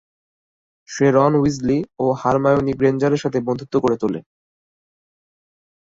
সে Ron Weasley ও Hermione Granger এর সাথে বন্ধুত্ব গড়ে তোলে।